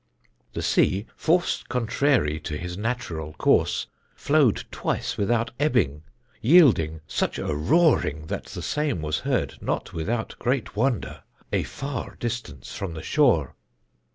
The sea forced contrarie to his natural course, flowed twice without ebbing, yeelding such a rooring that the same was heard (not without great woonder) a farre distance from the shore.